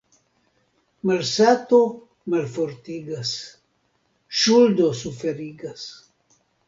Malsato malfortigas, ŝuldo suferigas.